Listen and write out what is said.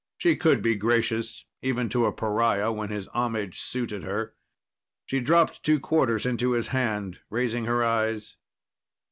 She could be gracious, even to a pariah, when his homage suited her. She dropped two quarters into his hand, raising her eyes.